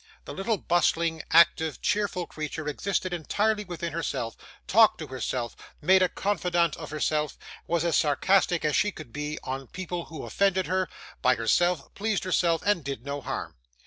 The little bustling, active, cheerful creature existed entirely within herself, talked to herself, made a confidante of herself, was as sarcastic as she could be, on people who offended her, by herself; pleased herself, and did no harm.